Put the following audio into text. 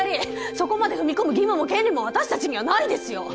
そこまで踏み込む義務も権利も私たちにはないですよ！